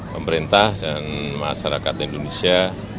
pemerintah dan masyarakat indonesia